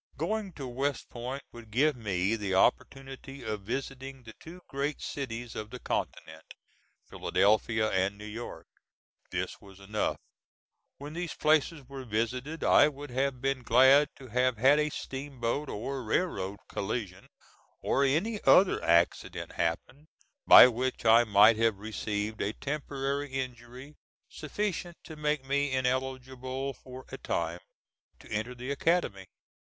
Going to West Point would give me the opportunity of visiting the two great cities of the continent, Philadelphia and New York. This was enough. When these places were visited I would have been glad to have had a steamboat or railroad collision, or any other accident happen, by which I might have received a temporary injury sufficient to make me ineligible, for a time, to enter the Academy.